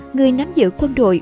người nắm giữ quân đội